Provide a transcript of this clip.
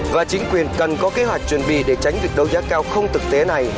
và chính quyền cần có kế hoạch chuẩn bị để tránh việc đấu giá cao không thực tế này